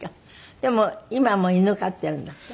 でも今も犬飼っているんだって？